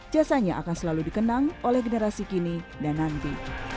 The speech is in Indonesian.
jasanya akan selalu dikenang oleh generasi kini dan nanti